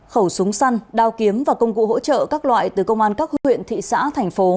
khẩu súng săn đao kiếm và công cụ hỗ trợ các loại từ công an các huyện thị xã thành phố